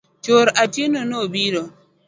Chuor Atieno no biro.